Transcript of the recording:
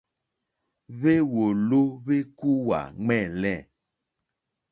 Hwéwòló hwékúwà ɱwɛ̂lɛ̂.